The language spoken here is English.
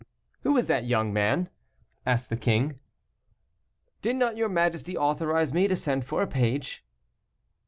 "Who is that young man?" asked the king. "Did not your majesty authorize me to send for a page."